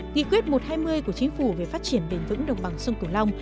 nghị quyết một trăm hai mươi của chính phủ về phát triển bền vững đồng bằng sông cửu long